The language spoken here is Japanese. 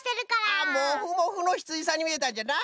あモフモフのひつじさんにみえたんじゃな。